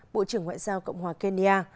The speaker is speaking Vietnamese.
bộ trưởng ngoại giao cộng hòa kenya